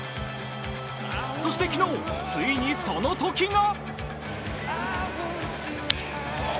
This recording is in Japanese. そして、昨日、ついにその時が。